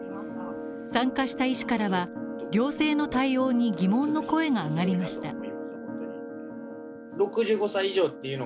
参加した医師からは行政の対応に疑問の声が上がりました。